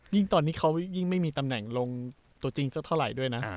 ตอนนี้เขายิ่งไม่มีตำแหน่งลงตัวจริงสักเท่าไหร่ด้วยนะ